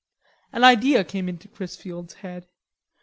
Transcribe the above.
An idea came into Chrisfield's head.